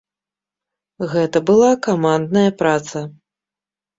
Гэта была камандная праца.